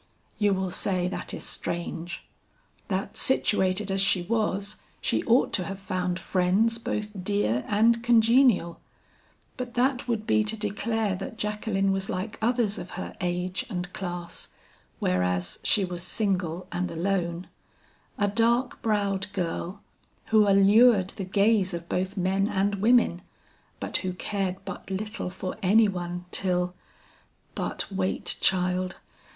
"You will say that is strange. That situated as she was, she ought to have found friends both dear and congenial; but that would be to declare that Jacqueline was like others of her age and class, whereas she was single and alone; a dark browed girl, who allured the gaze of both men and women, but who cared but little for any one till But wait, child.